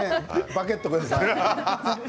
バゲット、ください。